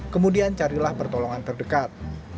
kemudian carilah pertolongan terdekat